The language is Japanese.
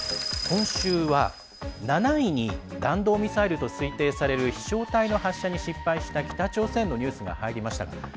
今週は、７位に弾道ミサイルと推定される飛しょう体の発射に失敗した北朝鮮のニュースが入りました。